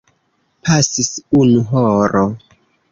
Pasis unu horo.